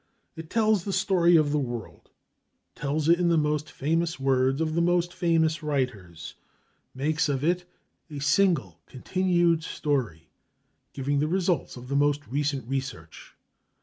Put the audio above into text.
It tells the story of the world, tells it in the most famous words of the most famous writers, makes of it a single, continued story, giving the results of the most recent research.